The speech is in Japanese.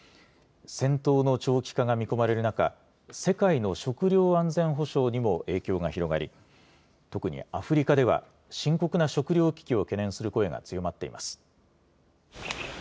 戦闘の長期化が見込まれる中、世界の食料安全保障にも影響が広がり特にアフリカでは深刻な食糧危機を懸念する声が強まっています。